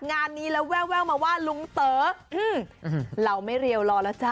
งานนี้แล้วแววมาว่าลุงเต๋อเราไม่เรียวรอแล้วจ้